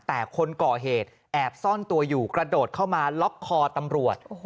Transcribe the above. แต่คนก่อเหตุแอบซ่อนตัวอยู่กระโดดเข้ามาล็อกคอตำรวจ